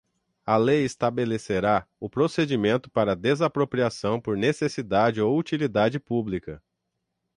a lei estabelecerá o procedimento para desapropriação por necessidade ou utilidade pública